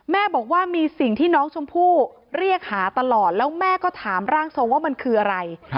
แม่บอกว่ามีสิ่งที่น้องชมพู่เรียกหาตลอดแล้วแม่ก็ถามร่างทรงว่ามันคืออะไร